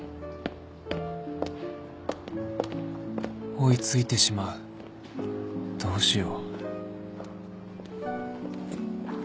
追い付いてしまうどうしよう